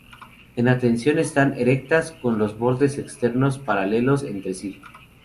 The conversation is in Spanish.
En atención están erectas, con los bordes externos paralelos entre sí.